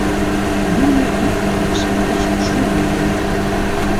Нуно ик кугу мешак гыч шурным нумал толыт.